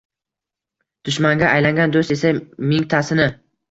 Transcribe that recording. Dushmanga aylangan do’st esa mingtasini.